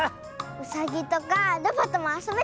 うさぎとかロバともあそべたしねえ！